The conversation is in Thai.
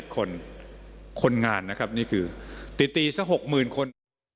คนคนงานนะครับนี่คือตีสัก๖๐๐๐คน